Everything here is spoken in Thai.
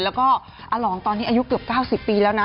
แล้วก็อาหลองตอนนี้อายุเกือบ๙๐ปีแล้วนะ